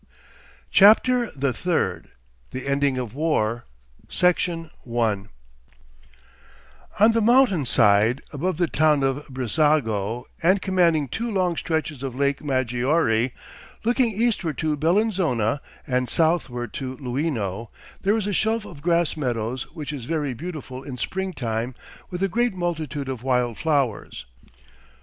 CHAPTER THE THIRD THE ENDING OF WAR Section 1 On the mountain side above the town of Brissago and commanding two long stretches of Lake Maggiore, looking eastward to Bellinzona, and southward to Luino, there is a shelf of grass meadows which is very beautiful in springtime with a great multitude of wild flowers.